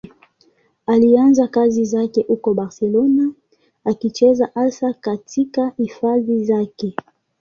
Alianza kazi yake huko Barcelona, akicheza hasa katika hifadhi zake.